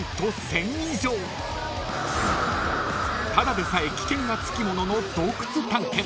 ［ただでさえ危険がつきものの洞窟探検］